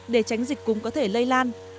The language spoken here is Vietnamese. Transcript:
để tránh dịch cúm có thể lây lan